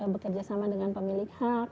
kita harus bekerja sama dengan pemilik hak